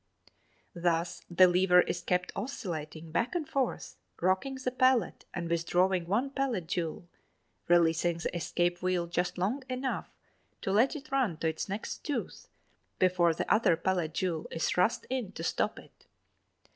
Thus the lever is kept oscillating back and forth, rocking the pallet and withdrawing one pallet jewel, releasing the escape wheel just long enough to let it run to its next tooth before the other pallet jewel is thrust in to stop it.